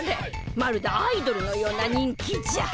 まるでアイドルのような人気じゃ。